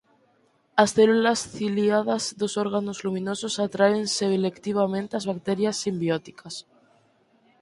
As células ciliadas dos órganos luminosos atraen selectivamente as bacterias simbióticas.